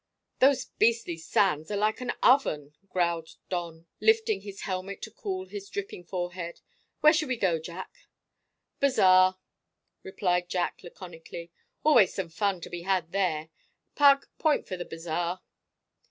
"These beastly sands are like an oven!" growled Don, lifting his helmet to cool his dripping forehead. "Where shall we go, Jack?" "Bazaar," replied Jack laconically; "always some fun to be had there. Pug, point for the bazaar."